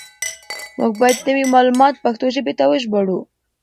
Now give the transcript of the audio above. موږ بايد نوي معلومات پښتو ژبې ته وژباړو.